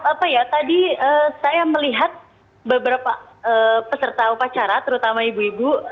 apa ya tadi saya melihat beberapa peserta upacara terutama ibu ibu